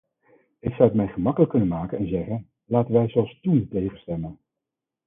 Ik zou het mij gemakkelijk kunnen maken en zeggen: laten wij zoals toen tegenstemmen.